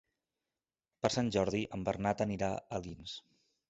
Per Sant Jordi en Bernat anirà a Alins.